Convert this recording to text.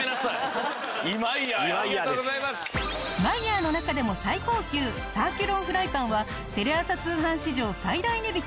マイヤーの中でも最高級サーキュロンフライパンはテレ朝通販史上最大値引き